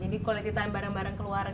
jadi quality time bareng bareng keluar